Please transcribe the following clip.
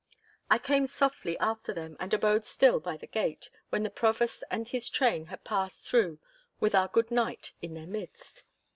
I came softly after them, and abode still by the gate when the Provost and his train had passed through with our good knight in their midst.